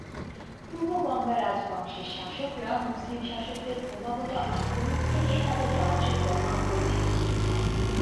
পূর্ব গঙ্গা রাজবংশের শাসকরা মুসলিম শাসকদের ক্রমাগত আক্রমণ থেকে তাদের রাজ্য রক্ষা করেছিল।